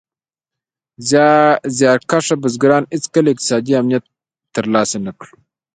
زیار کښه بزګران هېڅکله اقتصادي امنیت تر لاسه نه کړ.